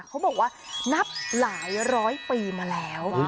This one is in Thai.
เขาบอกว่านับหลายร้อยปีมาแล้ว